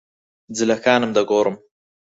جلەکانم دەگۆڕم.